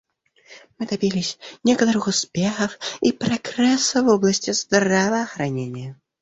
Мы добились некоторых успехов и прогресса в области здравоохранения.